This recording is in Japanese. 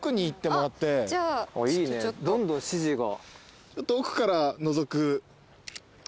いいねどんどん指示が。